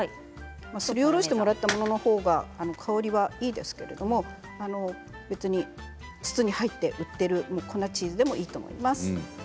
すりおろしてもらったもののほうが香りはいいですけれども別に筒に入って売っている粉チーズでもいいと思います。